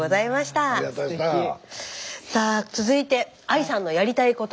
さあ続いてＡＩさんのやりたいこと。